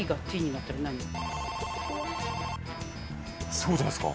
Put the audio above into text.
そうじゃないですか。